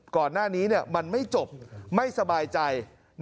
ก่อนหน้านี้มันไม่จบไม่สบายใจ